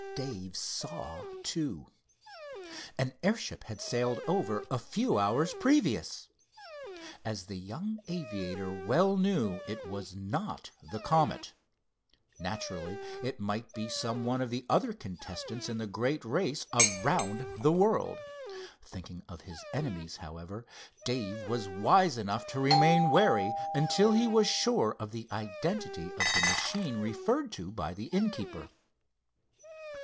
Dave "saw," too. An airship had sailed over a few hours previous! As the young aviator well knew, it was not the Comet. Naturally, it might be some one of the other contestants in the great race around the world. Thinking of his enemies, however, Dave was wise enough to remain wary until he was sure of the identity of the machine referred to by the inn keeper.